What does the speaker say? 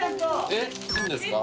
えっいいんですか？